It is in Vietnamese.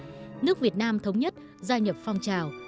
sau đó nước việt nam thống nhất gia nhập phong trào